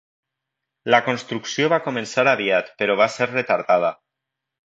La construcció va començar aviat però va ser retardada.